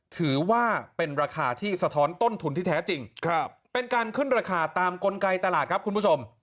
ถือว่าเป็นราคาที่สะท้อนต้นทุนที่แท้จริงเป็นการขึ้นราคาตามกลไกตลาดครับคุณผู้ชม